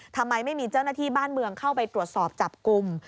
ทำไมไม่มีเจ้าหน้าที่บ้านเมืองเข้าไปตรวจสอบจับกลุ่ม